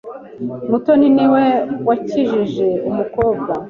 Mutoni ni we wakijije umukobwa.